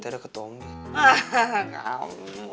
tadi ada ketua umbi